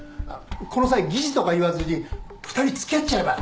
この際疑似とか言わずに２人つきあっちゃえば？